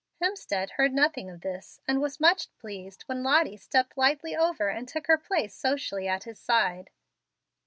"Hemstead heard nothing of this, and was much pleased when Lottie stepped lightly over and took her place socially at his side.